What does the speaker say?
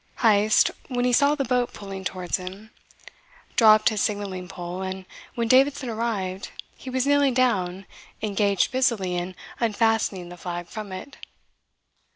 Heyst, when he saw the boat pulling towards him, dropped his signalling pole; and when Davidson arrived, he was kneeling down engaged busily in unfastening the flag from it.